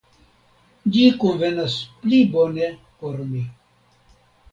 Ĝi konvenas pli bone por mi.